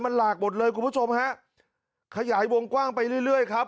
มันหลากหมดเลยคุณผู้ชมฮะขยายวงกว้างไปเรื่อยเรื่อยครับ